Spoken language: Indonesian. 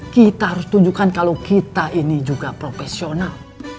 kita harus tunjukkan kalau kita ini juga profesional